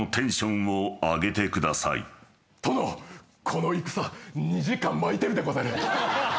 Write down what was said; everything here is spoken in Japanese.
この戦２時間巻いてるでござる。